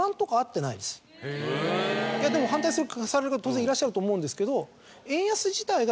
でも反対される方当然いらっしゃると思うんですけど。